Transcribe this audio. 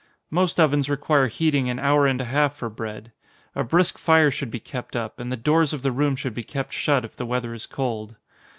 Most ovens require heating an hour and a half for bread. A brisk fire should be kept up, and the doors of the room should be kept shut, if the weather is cold.